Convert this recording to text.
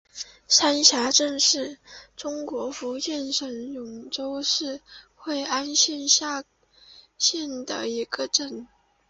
山霞镇是中国福建省泉州市惠安县下辖的一个镇。